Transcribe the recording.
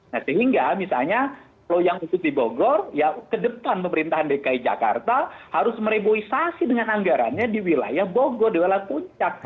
nah sehingga misalnya kalau yang khusus di bogor ya ke depan pemerintahan dki jakarta harus mereboisasi dengan anggarannya di wilayah bogor di wilayah puncak